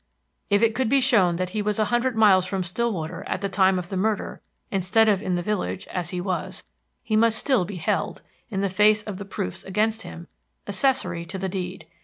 If it could be shown that he was a hundred miles from Stillwater at the time of the murder, instead of in the village, as he was, he must still be held, in the face of the proofs against him, accessory to the deed.